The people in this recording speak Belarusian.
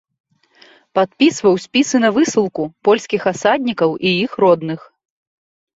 Падпісваў спісы на высылку польскіх асаднікаў і іх родных.